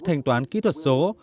thanh toán kỹ thuật số